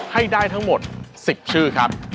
ให้ได้ทั้งหมด๑๐ชื่อครับ